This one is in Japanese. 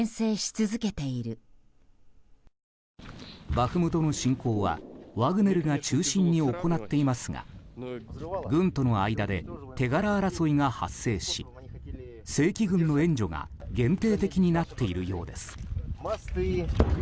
バフムトの侵攻はワグネルが中心に行っていますが軍との間で手柄争いが発生し正規軍の援助が限定的になっているようです。